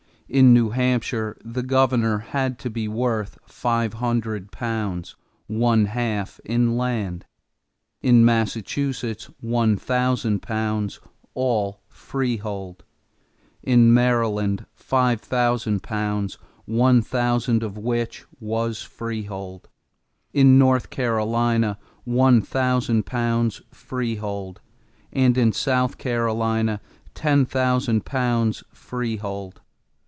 In New Hampshire, the governor had to be worth five hundred pounds, one half in land; in Massachusetts, one thousand pounds, all freehold; in Maryland, five thousand pounds, one thousand of which was freehold; in North Carolina, one thousand pounds freehold; and in South Carolina, ten thousand pounds freehold.